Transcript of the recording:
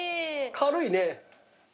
軽いね。